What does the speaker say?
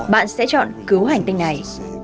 bạn sẽ chọn cứu hành tinh này